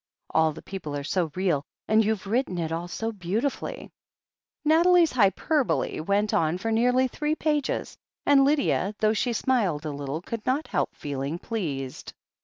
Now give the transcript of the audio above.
All the people are so real, and you've written it all so beautifully. ..." Nathalie's hyperbole went on for nearly three pages, THE HEEL OF ACHILLES 213 and Lydia» though she smiled a little, could not help feeling pleased.